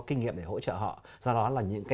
kinh nghiệm để hỗ trợ họ do đó là những cái